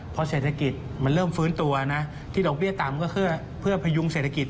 พอเศรษฐกิจมันเริ่มฟื้นตัวนะที่ดอกเบี้ยต่ำก็เพื่อพยุงเศรษฐกิจ